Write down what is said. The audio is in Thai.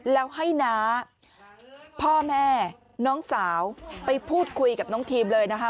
แล้วให้น้าพ่อแม่น้องสาวไปพูดคุยกับน้องทีมเลยนะคะ